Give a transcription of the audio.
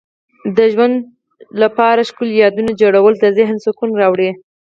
د ژوند لپاره ښکلي یادونه جوړول د ذهن سکون راوړي.